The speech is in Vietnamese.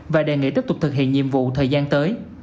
và đề nghị tiếp tục thực hiện nhiệm vụ thời gian tới